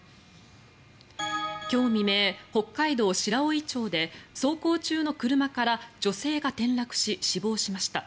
今日未明、北海道白老町で走行中の車から女性が転落し、死亡しました。